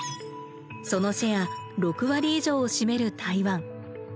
そのシェア６割以上を占める台湾。